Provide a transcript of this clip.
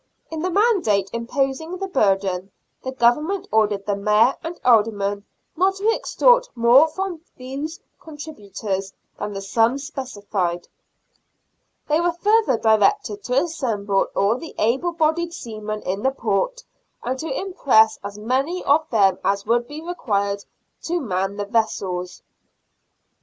In the mandate imposing the burden the Government ordered the Mayor and Aldermen not to extort more from those contributories than the sums specified. They were further directed to assemble all the able bodied seamen in the port, and to impress as many of them as would be required to man the vessels.